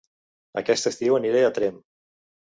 Aquest estiu aniré a Tremp